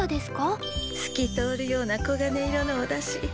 すき通るようなこがね色のおだし。